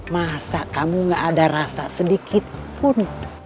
masa kamu gak ada rasa sedikitpun